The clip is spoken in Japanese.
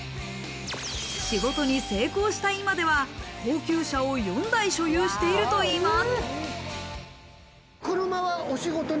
仕事に成功した今では高級車を４台所有しているといいます。